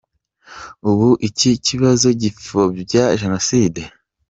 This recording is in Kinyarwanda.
Ubu iki kibazo gipfobya jenoside ?